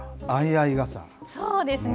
そうですね。